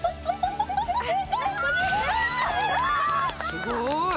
すごい！